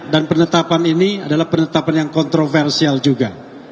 dan penetapan ini adalah penetapan yang kontroversial juga